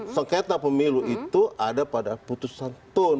sengketa pemilu itu ada pada putusan tun